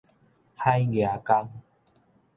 海蜈蚣